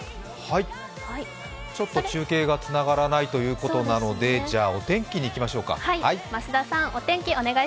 ちょっと中継がつながらないということなのでお天気いきましょう。